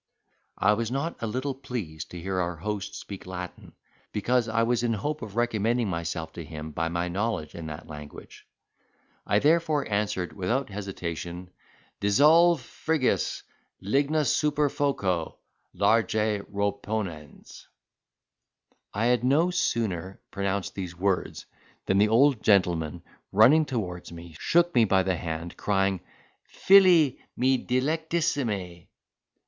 I was not a little pleased to hear our host speak Latin, because I was in hope of recommending myself to him by my knowledge in that language; I therefore answered, without hesitation, "Dissolve frigus, ligna super foco—large reponens." I had no sooner pronounced these words, than the old gentleman, running towards me, shook me by the hand, crying, "Fili mi dilectissime!